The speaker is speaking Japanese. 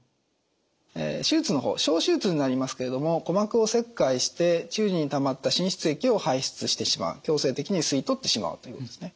手術の方小手術になりますけれども鼓膜を切開して中耳にたまった滲出液を排出してしまう強制的に吸い取ってしまうということですね。